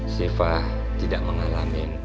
sifah tidak mengalami